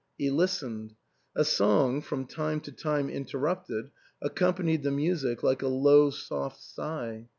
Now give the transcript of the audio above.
He listened ; a song, from time to time interrupted, accompanied the music like a low soft sigh.